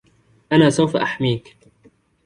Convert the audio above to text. أنا سوف أحميك!